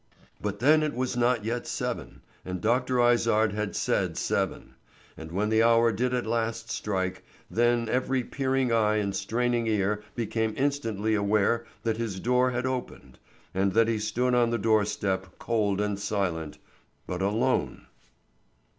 But then it was not yet seven and Dr. Izard had said seven; and when the hour did at last strike then every peering eye and straining ear became instantly aware that his door had opened and that he stood on the doorstep cold and silent, but alone.